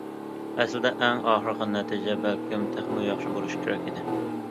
ئەسلىدە ئەڭ ئاخىرقى نەتىجە بەلكىم تېخىمۇ ياخشى بولۇشى كېرەك ئىدى.